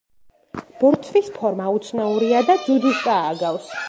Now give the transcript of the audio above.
ბორცვის ფორმა უცნაურია და ძუძუს წააგავს.